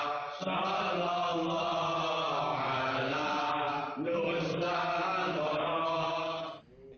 salam sejahtera indonesia salam sejahtera nusantara